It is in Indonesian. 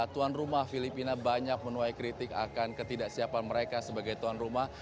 tuan rumah filipina banyak menuai kritik akan ketidaksiapan mereka sebagai tuan rumah